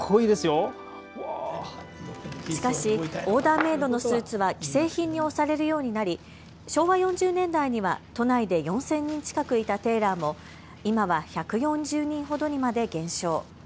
しかしオーダーメードのスーツは既製品に押されるようになり昭和４０年代には都内で４０００人近くいたテイラーも、今は１４０人ほどにまで減少。